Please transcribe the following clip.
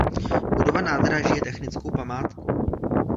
Budova nádraží je technickou památkou.